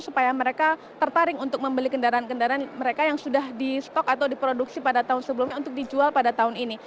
supaya mereka tertarik untuk membeli kendaraan kendaraan mereka yang sudah di stok atau diproduksi pada tahun sebelumnya untuk dijual pada tahun ini